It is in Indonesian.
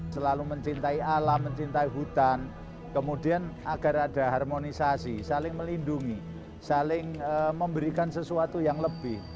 selalu mencintai alam mencintai hutan kemudian agar ada harmonisasi saling melindungi saling memberikan sesuatu yang lebih